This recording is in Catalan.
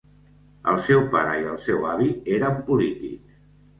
El seu pare i el seu avi eren polítics.